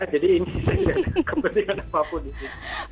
jadi ini saya tidak ada kepentingan apapun